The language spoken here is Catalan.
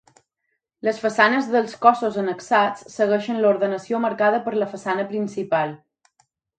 Les façanes dels cossos annexats, segueixen l’ordenació marcada per la façana principal.